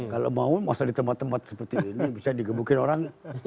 kalau mau masa di tempat tempat seperti ini bisa digebukin orang